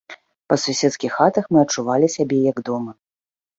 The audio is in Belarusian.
Па суседскіх хатах мы адчувалі сябе, як дома.